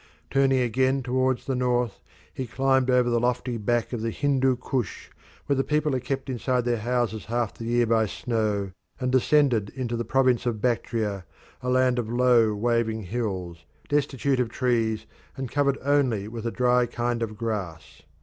Turning again towards the north, he climbed over the lofty back of the Hindu Kush, where the people are kept inside their houses half the year by snow, and descended into the province of Bactria, a land of low, waving hills, destitute of trees and covered only with a dry kind of grass.